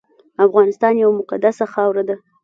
افغانستان یوه مقدسه خاوره ده